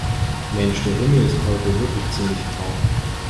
Mensch, der Himmel ist heute wirklich ziemlich grau.